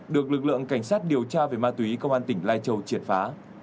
được lực lượng cảnh sát điều tra về ma túy công an tỉnh lai châu triệt phá